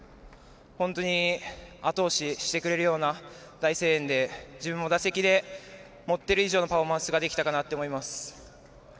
本当に後押ししてくれるような大声援で自分も打席で持っている以上のパフォーマンスができたかなと思います。